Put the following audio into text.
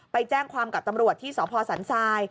ไปแจ้งความกับตำรวจที่สพสันทราย